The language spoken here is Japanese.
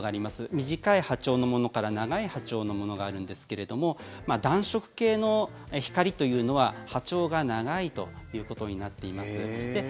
短い波長のものから長い波長のものがあるんですが暖色系の光というのは波長が長いということになっています。